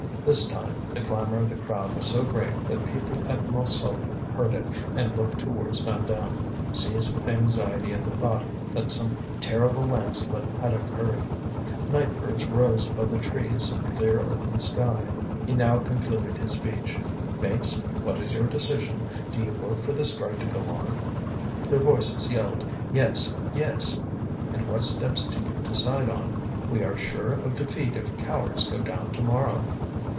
This time the clamour of the crowd was so great that people at Montsou heard it, and looked towards Vandame, seized with anxiety at the thought that some terrible landslip had occurred. Night birds rose above the trees in the clear open sky. He now concluded his speech. "Mates, what is your decision? Do you vote for the strike to go on?" Their voices yelled, "Yes! yes!" "And what steps do you decide on? We are sure of defeat if cowards go down to morrow."